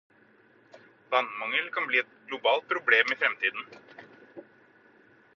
Vannmangel kan bli et globalt problem i fremtiden.